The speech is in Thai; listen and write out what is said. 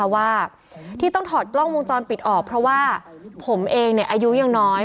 ว่าที่ต้องถอดกล้องวงจรปิดออกเพราะว่าผมเองอายุยังน้อย